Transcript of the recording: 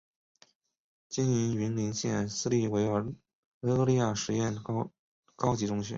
经营云林县私立维多利亚实验高级中学。